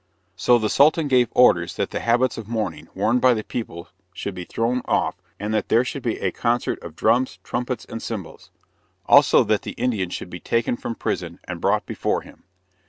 So the Sultan gave orders that the habits of mourning worn by the people should be thrown off and that there should be a concert of drums, trumpets and cymbals. Also that the Indian should be taken from prison, and brought before him.